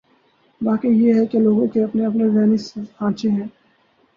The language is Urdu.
واقعہ یہ ہے کہ لوگوں کے اپنے اپنے ذہنی سانچے ہیں۔